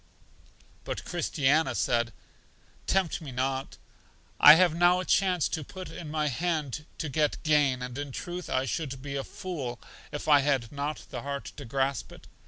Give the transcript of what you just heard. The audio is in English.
But Christiana said: Tempt me not. I have now a chance put in my hand to get gain, and in truth I should be a fool if I had not the heart to grasp it.